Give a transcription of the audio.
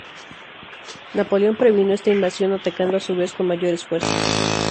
Napoleón previno esta invasión atacando a su vez con mayores fuerzas.